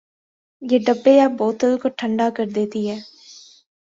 یہ ڈبے یا بوتل کو ٹھنڈا کردیتی ہے۔